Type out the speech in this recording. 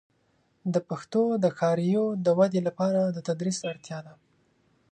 د پښتو د ښاریو د ودې لپاره د تدریس اړتیا ده.